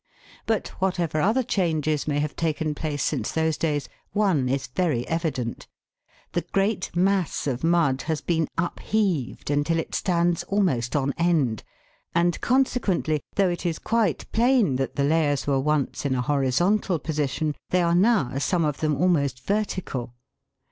But, whatever other changes DIFFERENCE BETWEEN SHALE AND SLATE. 115 may have taken place since those days, one is very evident : the great mass of mud has been upheaved until it stands almost on end, and, consequently, though it is quite plain that the layers were once in a horizontal position, they are now some of them almost vertical.